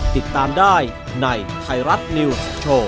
ติดตามได้ในไทยรัฐนิวส์โชว์